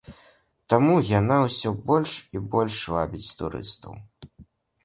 Таму яна ўсё больш і больш вабіць турыстаў.